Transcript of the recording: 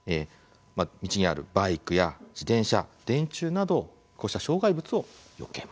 道にあるバイクや自転車電柱などこうした障害物をよけます。